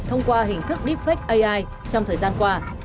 thông qua hình thức deepfake ai trong thời gian qua